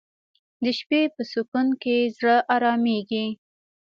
د شپې په سکون کې زړه آرامیږي